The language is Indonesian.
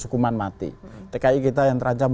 hukuman mati tki kita yang terancam